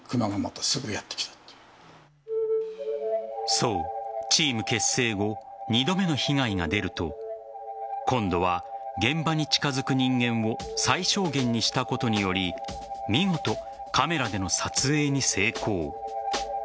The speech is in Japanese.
そう、チーム結成後２度目の被害が出ると今度は現場に近づく人間を最小限にしたことにより見事カメラでの撮影に成功。